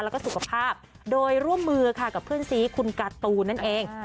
แล้วก็สุขภาพโดยร่วมมือค่ะกับเพื่อนซีคุณการ์ตูนนั่นเอง